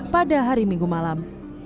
pada hari minggu malam